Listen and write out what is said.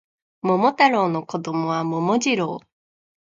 桃太郎の子供は桃次郎